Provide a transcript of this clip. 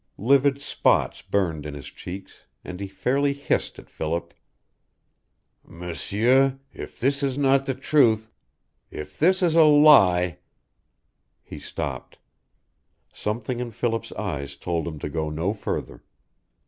Livid spots burned in his cheeks, and he fairly hissed at Philip. "M'sieur, if this is not the truth if this is a lie " He stopped. Something in Philip's eyes told him to go no further.